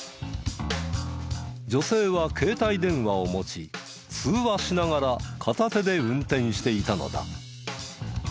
女性は携帯電話を持ち通話しながら片手で運転していたのだ。